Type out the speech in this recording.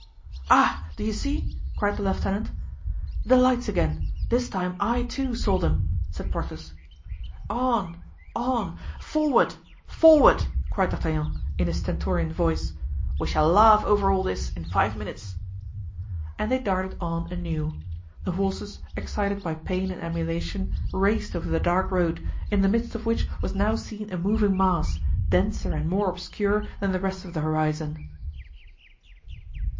"Ah! do you see?" cried the lieutenant. "The lights again! this time I, too, saw them," said Porthos. "On! on! forward! forward!" cried D'Artagnan, in his stentorian voice; "we shall laugh over all this in five minutes." And they darted on anew. The horses, excited by pain and emulation, raced over the dark road, in the midst of which was now seen a moving mass, denser and more obscure than the rest of the horizon.